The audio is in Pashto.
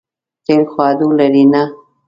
تېل خو هډو لري نه.